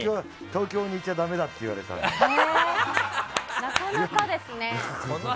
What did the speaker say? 東京にいちゃだめだって言われたの。